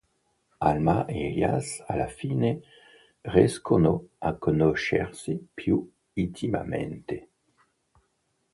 Alma ed Elias alla fine riescono a conoscersi più intimamente.